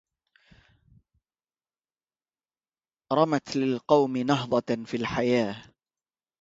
رمت للقوم نهضة في الحياة